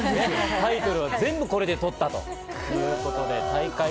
タイトルはこれで全部取ったということです。